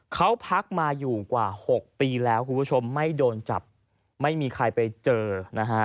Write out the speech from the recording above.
เขาพักมาอยู่กว่า๖ปีแล้วคุณผู้ชมไม่โดนจับไม่มีใครไปเจอนะฮะ